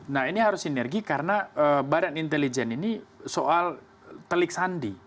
nah ini harus sinergi karena badan intelijen ini soal telik sandi